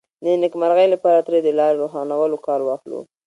د نېکمرغۍ لپاره ترې د لارې روښانولو کار واخلو.